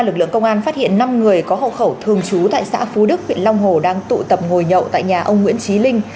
lực lượng công an phát hiện năm người có hộ khẩu thường trú tại xã phú đức huyện long hồ đang tụ tập ngồi nhậu tại nhà ông nguyễn trí linh